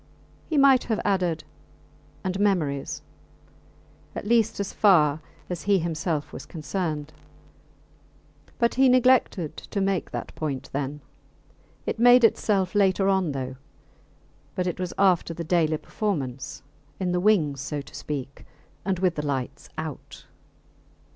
He might have added, and memories, at least as far as he himself was concerned; but he neglected to make that point then. It made itself later on, though; but it was after the daily performance in the wings, so to speak, and with the lights out.